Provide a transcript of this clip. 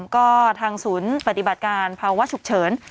ก็ทางศูนย์ปฏิบัติการภาวะฉุกเฉิน